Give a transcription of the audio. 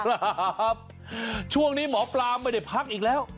ครับช่วงนี้หมอปลาไม่ได้พักอีกแล้ว